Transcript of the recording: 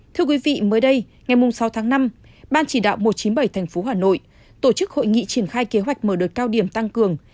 thưa quý vị mới đây ngày sáu tháng năm ban chỉ đạo một trăm chín mươi bảy tp hà nội tổ chức hội nghị triển khai kế hoạch mở đợt cao điểm tăng cường